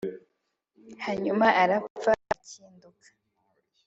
hanyuma arapfa aracyinduka